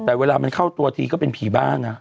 แต่เวลามันเข้าตัวทีก็เป็นผีบ้านนะ